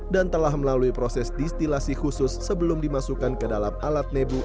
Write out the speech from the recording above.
dan telah melalui proses distilasi khusus sebelum dimasukkan ke dalam alat nebu